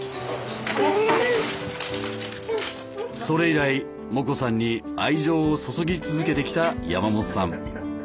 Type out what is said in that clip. それ以来モコさんに愛情を注ぎ続けてきた山本さん。